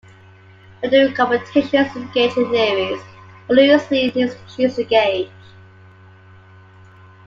When doing computations in gauge theories, one usually needs to choose a gauge.